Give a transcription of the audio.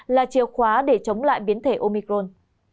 là chiều khóa để chống lại biến thể omicron